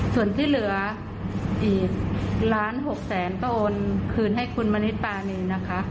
ส่วนที่เหลืออีกล้าน๖แสนก็โอนคืนให้คุณมณิชปานีนะคะ